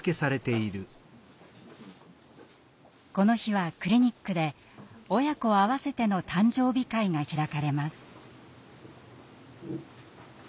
この日はクリニックで親子あわせての誕生日会が開かれます。